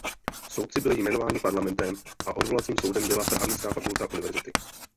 Soudci byli jmenováni parlamentem a odvolacím soudem byla právnická fakulta univerzity.